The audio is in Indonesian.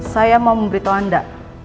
saya mau memberitahu anda